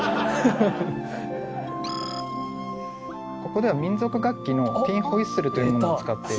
ここでは民族楽器のティンホイッスルというものを使って。